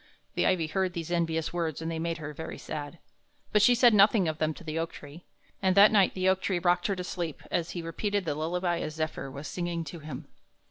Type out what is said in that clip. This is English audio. The ivy heard these envious words, and they made her very sad; but she said nothing of them to the oak tree, and that night the oak tree rocked her to sleep as he repeated the lullaby a zephyr was singing to him.